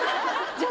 じゃあ。